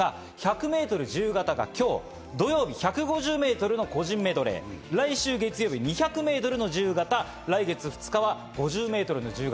そして鈴木選手ですが、１００ｍ自由形が今日、土曜日１５０ｍ個人メドレー、来週月曜日に２００ｍの自由形、来月２日は５０ｍ自由形。